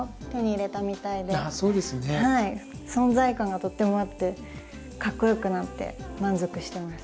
存在感がとってもあってかっこよくなって満足してます。